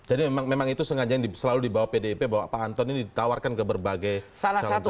jadi memang itu memang itu selalu di bawah pdip bahwa pak anton ini ditawarkan ke berbagai calon calon gitu ya